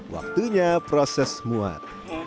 waktunya proses muat